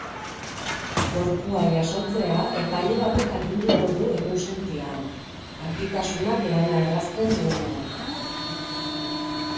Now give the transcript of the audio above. Gorpua jasotzea epaile batek aginduko du egunsentian, argitasunak lana errazten duenean.